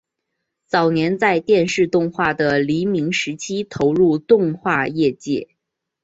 早年在电视动画的黎明时期投入动画业界。